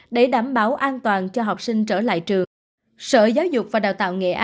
để đảm bảo an toàn cho học sinh trở lại trường